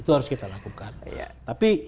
itu harus kita lakukan tapi